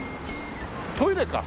トイレか。